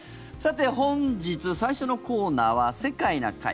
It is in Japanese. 本日最初のコーナーは「世界な会」。